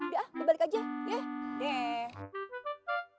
ya kebalik aja ya